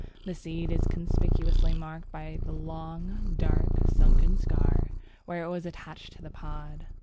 The seed is conspicuously marked by the long, dark, sunken scar, where it was attached to the pod.